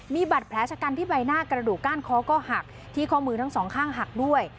มีบัตรแผลชะกันที่ใบหน้ากระดูกก้านคอก็หักที่ข้อมือทั้งสองข้างหักด้วย